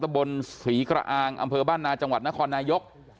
บนศรีกระอางอำเภอบ้านนาจังหวัดนครนายก